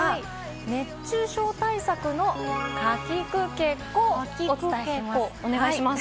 熱中症対策のかきくけこをお伝えします。